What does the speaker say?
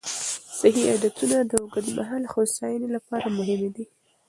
صحي عادتونه د اوږدمهاله هوساینې لپاره مهم دي.